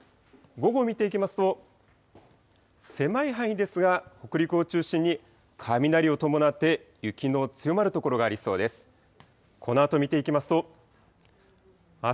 午後を見ていきますと、狭い範囲ですが、北陸を中心に、雷を伴って雪の強まる所がありそうです。